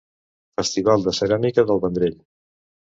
Festival de Ceràmica del Vendrell.